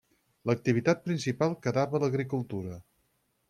L'activitat principal quedava l'agricultura.